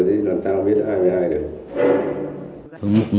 thì chẳng biết ai về ai được